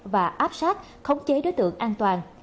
và áp sát khống chế đối tượng an toàn